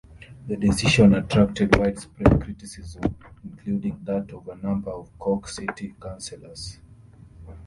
The decision attracted widespread criticism including that of a number of Cork city councillors.